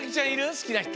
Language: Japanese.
すきなひと。